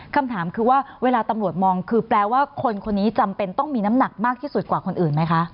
คำถามคือว่าเวลาตำรวจมองคือแปลว่าคนคนนี้จำเป็นต้องมีน้ำหนักมากที่สุดกว่าคนอื่นไหมคะ